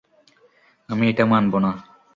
আমি এটা মানব না।